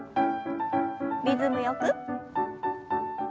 リズムよく。